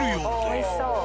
おいしそう。